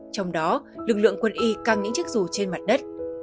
trong đó lực lượng quân y căng những chiếc dù trên mặt đất